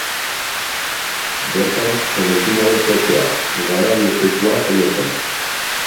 Bertan Florentino Goikoetxea mugalari ospetsua jaio zen.